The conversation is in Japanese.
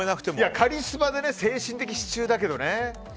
カリスマで精神的支柱だけどね。